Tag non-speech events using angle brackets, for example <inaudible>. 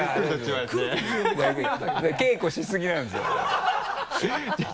稽古しすぎなんですよだから <laughs>